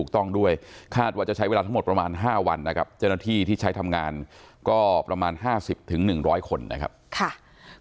ก็เพิ่งมีเหตุการณ์เกิดขึ้นดีซึ่งทางทุกคนก็อยากให้เกิดขึ้น